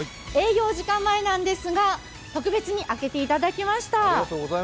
営業時間前なんですが、特別に開けていただきました。